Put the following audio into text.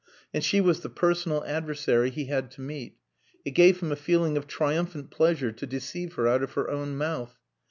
And she was the personal adversary he had to meet. It gave him a feeling of triumphant pleasure to deceive her out of her own mouth.